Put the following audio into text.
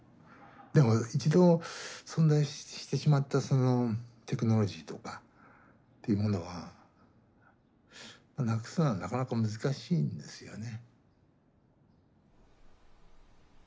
でも一度存在してしまったそのテクノロジーとかっていうものはなくすのはなかなか難しいんですよね。